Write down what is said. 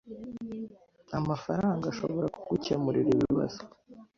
amafaranga ashobora kugukemurira ibibazo.